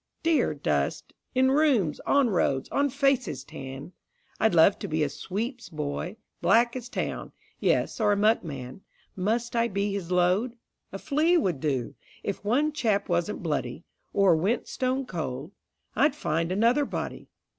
Dear dust, in rooms, on roads, on faces' tan! I'd love to be a sweep's boy, black as Town; Yes, or a muckman. Must I be his load? A flea would do. If one chap wasn't bloody, Or went stone cold, I'd find another body.